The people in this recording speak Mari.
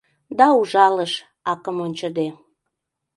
Да ужалыш, акым ончыде.